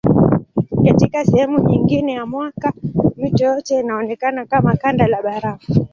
Katika sehemu nyingine ya mwaka mito yote inaonekana kama kanda la barafu.